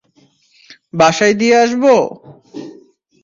বাসায় দিয়ে আসবো?